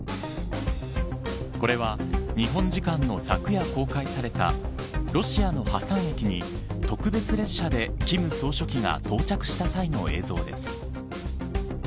これは日本時間の昨夜公開されたロシアのハサン駅に特別列車で金総書記が到着した際の映像です。